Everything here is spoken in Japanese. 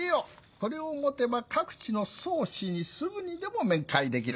これを持てば各地の宗師にすぐにでも面会できる。